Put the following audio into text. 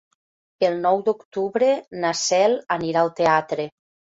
El nou d'octubre na Cel anirà al teatre.